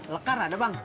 lekar ada bang